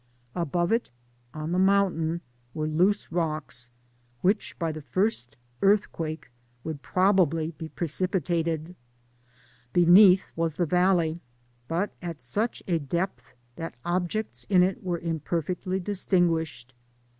Above it, on the mountain, were loose roiiks^ which by the first earthquake would probably be precipitated^ Beneath ^as the valley^ but at slich a depth that objects in it were imperfectly distinguished.